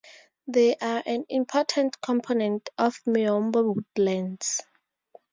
They are an important component of miombo woodlands.